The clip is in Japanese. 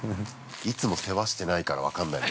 いつも世話してないから分からないんだ